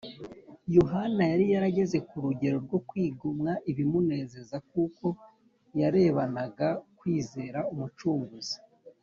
Yohana yari yarageze ku rugero rwo kwigomwa ibimunezeza, kuko yarebanaga kwizera Umucunguzi